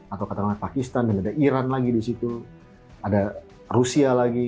atau katakanlah pakistan dan ada iran lagi di situ ada rusia lagi